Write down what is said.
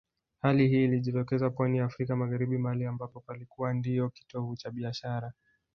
Hali hii ilijitokeza pwani ya Afrika Magharibi mahali ambapo palikuwa ndio kitovu cha biashara